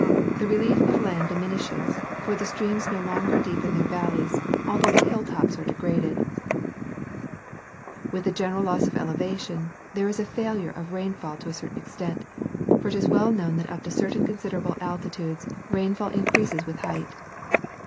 The relief of the land diminishes, for the streams no longer deepen their valleys although the hill tops are degraded ; and with the general loss of elevation, there is a failure of rainfall to a certain extent ; for it is well known that up to certain consider able altitudes rainfall increases with height.